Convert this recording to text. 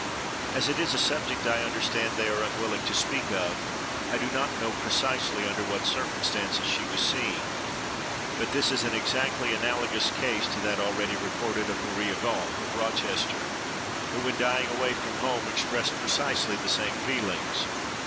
As it is a subject, I understand, they are unwilling to speak of, I do not know precisely under what circumstances she was seen;—but this is an exactly analogous case to that already recorded of Maria Goffe, of Rochester, who, when dying away from home, expressed precisely the same feelings.